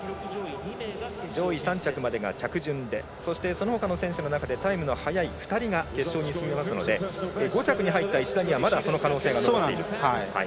上位３着までが着順でそしてそのほかの選手の中でタイムの速い選手が決勝に進めますので５着に入った石田にはまだその可能性が残っています。